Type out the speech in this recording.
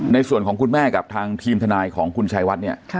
ในส่วนของคุณแม่กับทางทีมทนายของคุณชายวัดเนี่ย